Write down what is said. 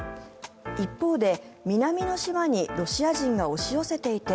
一方で南の島にロシア人が押し寄せていて